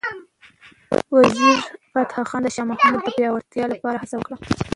وزیرفتح خان د شاه محمود د پیاوړتیا لپاره هڅه وکړه.